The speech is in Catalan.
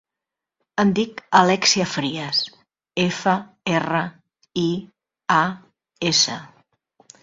Em dic Alèxia Frias: efa, erra, i, a, essa.